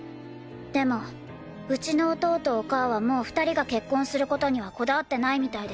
でもうちのお父とお母はもう２人が結婚する事にはこだわってないみたいですよ。